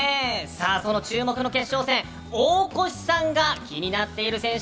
その注目の決勝戦大越さんが気になっている選手